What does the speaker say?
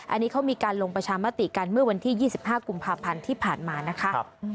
อันนี้เขามีการลงประชามติกันเมื่อวันที่๒๕กุมภาพันธ์ที่ผ่านมานะคะ